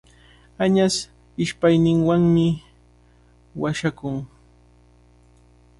Añas ishpayninwanmi washakun.